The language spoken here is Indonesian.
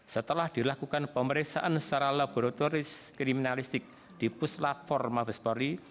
setelah dilakukan pemeriksaan secara laboratoris kriminalistik di puslat forma bespori